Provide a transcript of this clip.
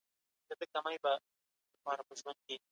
بې وزلو ته خپل حق ورکړئ.